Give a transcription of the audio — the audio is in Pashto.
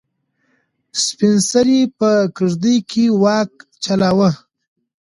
سپین سرې په کيږدۍ کې واک چلاوه.